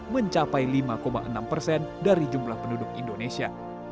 mencapai lima enam persen dari jumlah penduduk indonesia